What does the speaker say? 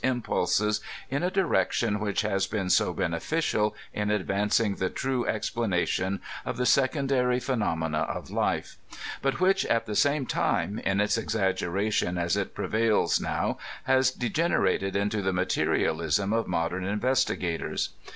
99 impulses in a direction which has been so beneficial in advancing the true explanation of the secondary phenomena of life ; but which, at the same time, in its exaggeration as it prevails now has degenerated into the materialism of modern investigators.